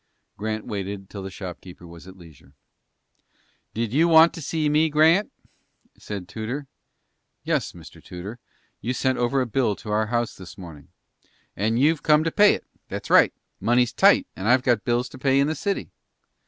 Grant waited till the shopkeeper was at leisure. "Did you want to see me, Grant?" said Tudor. "Yes, Mr. Tudor. You sent over a bill to our house this morning." "And you've come to pay it. That's right. Money's tight, and I've got bills to pay in the city."